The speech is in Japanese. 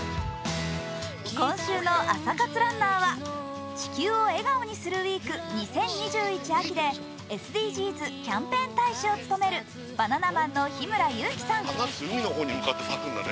今週の朝活ランナーは「地球を笑顔にするＷＥＥＫ２０２１年秋」でＳＤＧｓキャンペーン大使を務めるバナナマンの日村勇紀さん。